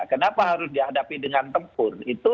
kenapa harus dihadapi dengan tempur